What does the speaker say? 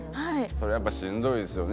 そりゃやっぱしんどいですよね